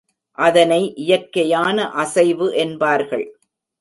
அதனை இயற்கையான அசைவு என்பார்கள்.